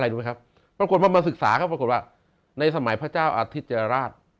รู้ไหมครับปรากฏว่ามาศึกษาก็ปรากฏว่าในสมัยพระเจ้าอาทิตยราช